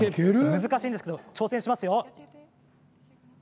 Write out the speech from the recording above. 難しいけど挑戦しますよ。